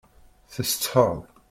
Tessetḥaḍ?